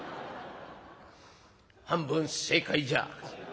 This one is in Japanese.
「半分正解じゃ」。